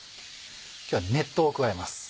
今日は熱湯を加えます。